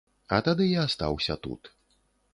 А тады і астаўся тут.